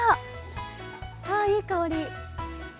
あいい香り。